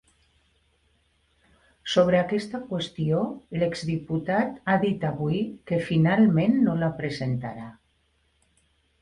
Sobre aquesta qüestió, l’ex-diputat ha dit avui que finalment no la presentarà.